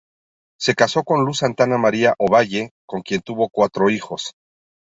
Se casó con Luz Santa María Ovalle, con quien tuvo cuatro hijos.